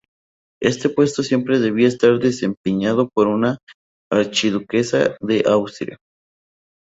Este puesto siempre debía estar desempeñado por una archiduquesa de Austria.